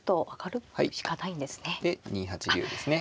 で２八竜ですね。